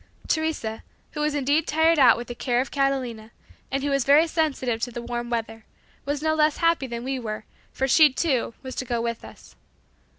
'" Teresa, who was indeed tired out with the care of Catalina, and who was very sensitive to warm weather, was no less happy than we were, for she, too, was to go with us.